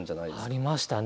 ありましたね。